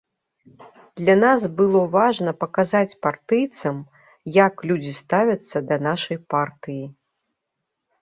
Для нас было важна паказаць партыйцам, як людзі ставяцца да нашай партыі.